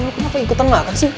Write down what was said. lo kenapa ikutan gak akan sih